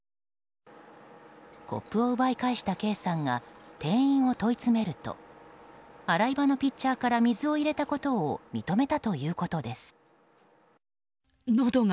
コップを奪い返したＫさんが店員を問い詰めると洗い場のピッチャーから水を入れたことを認めたということです。